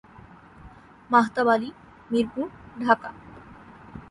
Mahtab Ali Mirpur, Dhaka.